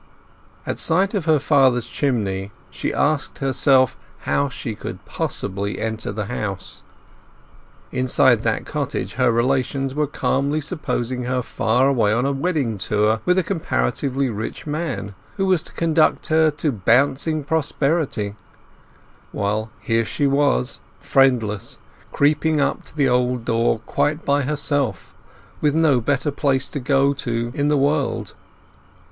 At sight of her father's chimney she asked herself how she could possibly enter the house? Inside that cottage her relations were calmly supposing her far away on a wedding tour with a comparatively rich man, who was to conduct her to bouncing prosperity; while here she was, friendless, creeping up to the old door quite by herself, with no better place to go to in the world.